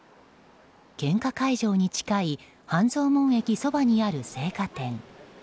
献花会場に近い半蔵門駅そばにある生花店。